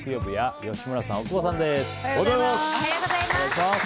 木曜日は吉村さん、大久保さんです。